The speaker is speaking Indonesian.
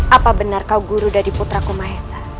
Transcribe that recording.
apa benar kau guru dari putraku mahesa